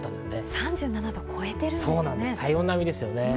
３７度を超えてるんですね。